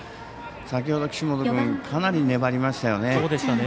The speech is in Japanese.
先ほど岸本君かなり粘りましたよね。